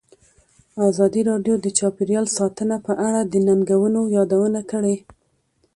ازادي راډیو د چاپیریال ساتنه په اړه د ننګونو یادونه کړې.